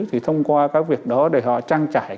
thì thông qua các việc đó để họ trang trải